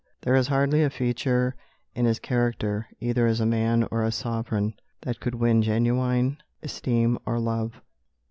There is hardly a feature in his character, either as a man or a sovereign, that could win genuine esteem or love.